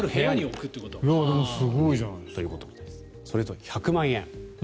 それと１００万円。